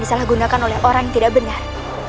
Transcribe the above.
disalahgunakan oleh orang yang tidak benar